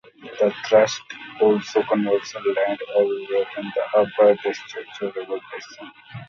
The Trust also conserves lands elsewhere in the upper Deschutes River basin.